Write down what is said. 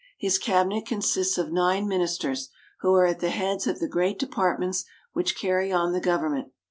His Cabinet consists of nine Ministers, who are at the heads of the great departments which carry on the government.